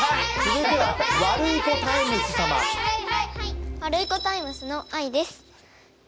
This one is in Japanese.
ワルイコタイムスのあいです。